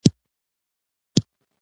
د انګلیسیانو لپاره دا وضع خطرناکه وه.